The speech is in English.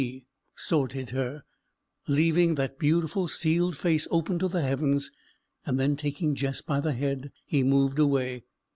G." sorted her, leaving that beautiful sealed face open to the heavens; and then taking Jess by the head, he moved away.